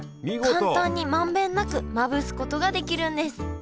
簡単に満遍なくまぶすことができるんです